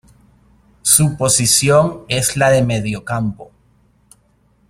Su posición es la de mediocampo.